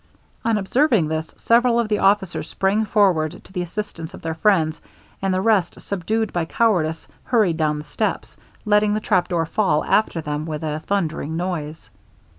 On observing this, several of the officers sprang forward to the assistance of their friends; and the rest, subdued by cowardice, hurried down the steps, letting the trapdoor fall after them with a thundering noise.